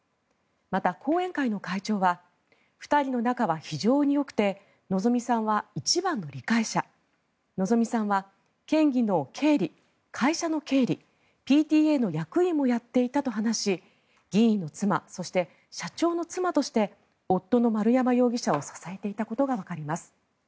また後援会の会長は２人の中は非常によくて希美さんは一番の理解者希美さんは県議の経理、会社の経理ＰＴＡの役員もやっていたと話し議員の妻そして社長の妻として夫の丸山容疑者を支えていたことがわかります。